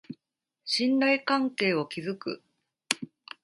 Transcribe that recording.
信頼関係を築く